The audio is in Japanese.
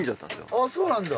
あっそうなんだ。